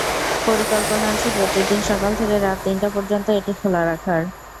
পরিকল্পনা আছে, প্রতিদিন সকাল থেকে রাত তিনটা পর্যন্ত এটি খোলা রাখার।